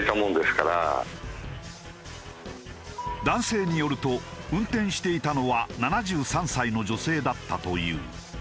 男性によると運転していたのは７３歳の女性だったという。